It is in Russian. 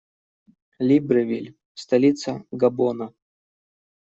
Либревиль - столица Габона.